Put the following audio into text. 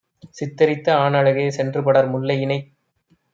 சித்தரித்த ஆணழகே, சென்றுபடர் முல்லையினைக்